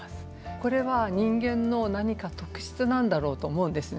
これは人間の何か特質なんだろうと思うんですね。